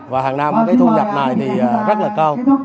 và hàng năm cái thu nhập này thì rất là cao